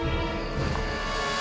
jangan sampai kau mencabut kayu ini